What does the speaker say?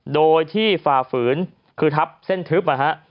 โดยที่ฝ่าฝืนคือทับเส้นทึบนะฮะ